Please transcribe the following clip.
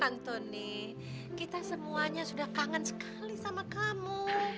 antoni kita semuanya sudah kangen sekali sama kamu